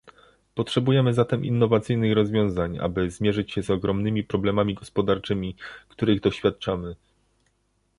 Potrzebujemy zatem innowacyjnych rozwiązań, aby zmierzyć się z ogromnymi problemami gospodarczymi, których doświadczamy